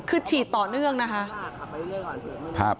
คือฉีดต่อเนื่องนะคะ